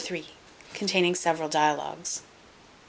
Containing several dialogues.